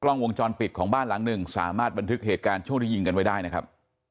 ลวงจรปิดของบ้านหลังหนึ่งสามารถบันทึกเหตุการณ์ช่วงที่ยิงกันไว้ได้นะครับ